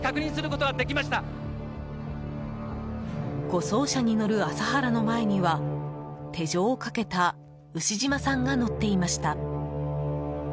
護送車に乗る麻原の前には手錠をかけた牛島さんが乗っていました。